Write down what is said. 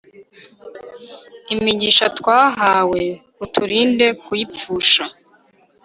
imigisha twahawe, uturinde kuyipfusha